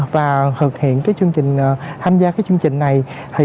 và thực hiện tham gia chương trình này